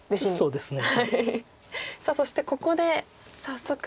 そうですね。